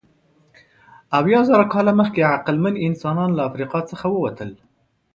اویازره کاله مخکې عقلمن انسانان له افریقا څخه ووتل.